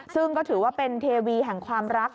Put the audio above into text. ซึ่งก็ถือว่าเป็นเทวีแห่งความรัก